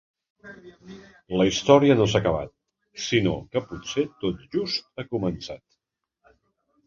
La història no s’ha acabat, sinó que potser tot just ha començat.